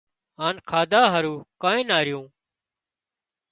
هانَ کاڌا هارو ڪانئين نا ريون